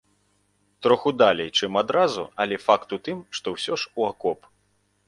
Троху далей, чым адразу, але факт у тым, што ўсё ж у акоп.